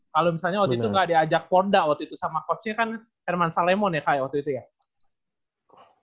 kalau misalnya waktu itu gak diajak porda waktu itu sama coachnya kan herman salemon ya kayak waktu itu ya